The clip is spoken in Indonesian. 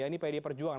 ini pdi perjuangan